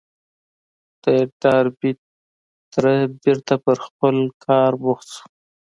د ډاربي تره بېرته پر خپل کار بوخت شو.